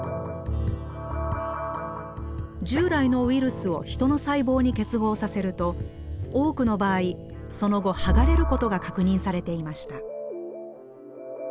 従来のウイルスを人の細胞に結合させると多くの場合その後剥がれることが確認されていました。